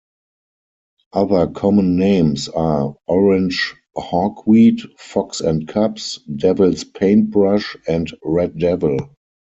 Other common names are Orange Hawkweed, Fox and Cubs, Devil's paintbrush and Red devil.